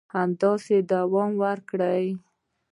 همداسې دوام وکړي